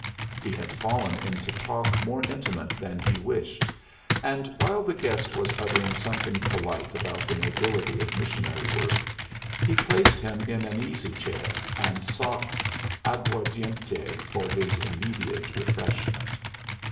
He had fallen into talk more intimate than he wished; and while the guest was uttering something polite about the nobility of missionary work, he placed him in an easy chair and sought aguardiente for his immediate refreshment.